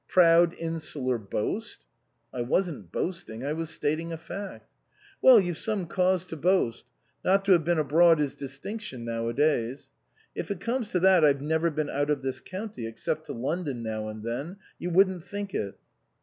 " Proud insular boast !"" I wasn't boasting. I was stating a fact." "Well, you've some cause to boast. Not to have been abroad is distinction nowadays." " If it comes to that I've never been out of this county, except to London now and then. You wouldn't think it."